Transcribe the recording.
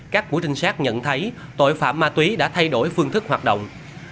các mũi trinh sát nhận thấy tội phạm ma túy đã thay đổi phương thức hoạt động